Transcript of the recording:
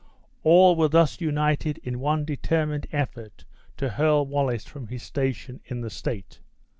All were thus united in one determined effort to hurl Wallace from his station in the state.